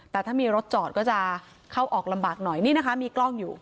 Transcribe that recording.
แต่ถ้ามีรถจอดก็จะเข้าออกลำบากหน่อยนี่นะคะมีกล้องอยู่